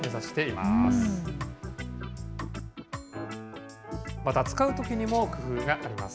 また、使うときにも工夫があります。